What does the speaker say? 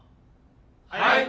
はい！